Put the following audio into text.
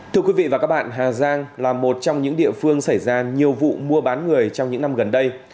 thưa quý vị và các bạn hà giang là một trong những địa phương xảy ra nhiều vụ mua bán người trong những năm gần đây